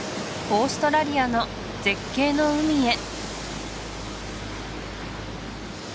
オーストラリアの絶景の海へ！